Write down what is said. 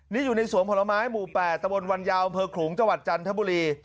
นี่อยู่ในสวงผลไม้หมู่๘ตะวนวันยาวบขรุงจจันทบุรี